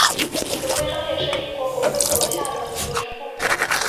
此徽章也是英国国徽左下的组成部分。